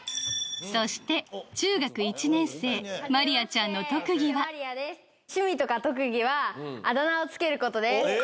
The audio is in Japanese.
そして中学１年生まりあちゃんの特技は趣味とか特技はあだ名をつけることです。